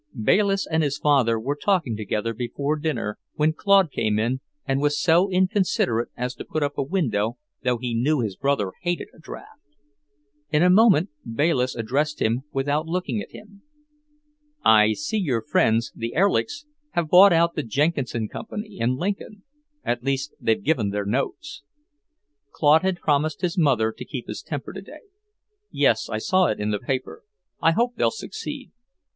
Bayliss and his father were talking together before dinner when Claude came in and was so inconsiderate as to put up a window, though he knew his brother hated a draft. In a moment Bayliss addressed him without looking at him: "I see your friends, the Erlichs, have bought out the Jenkinson company, in Lincoln; at least, they've given their notes." Claude had promised his mother to keep his temper today, "Yes, I saw it in the paper. I hope they'll succeed."